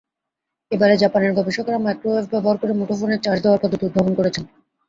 এবারে জাপানের গবেষকেরা মাইক্রোওয়েভ ব্যবহার করে মুঠোফোনে চার্জ দেওয়ার পদ্ধতি উদ্ভাবন করেছেন।